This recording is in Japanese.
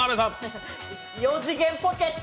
四次元ポケット！